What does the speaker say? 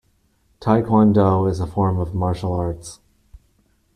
Taekwondo is a form of martial arts.